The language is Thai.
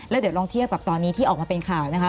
แล้วเดี๋ยวลองเทียบกับตอนนี้ที่ออกมาเป็นข่าวนะคะ